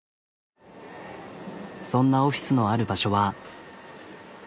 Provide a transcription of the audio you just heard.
そんなオフィスのある場所は。